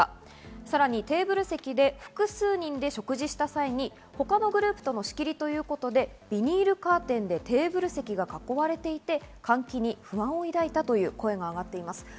さらにテーブル席で複数人で食事した際に他のグループとの仕切りということでビニールカーテンでテーブル席が囲われていて、換気に不安を抱いたという声が上がっています。